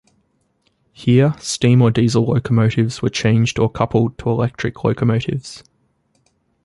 Here, steam or diesel locomotives were changed or coupled to electric locomotives.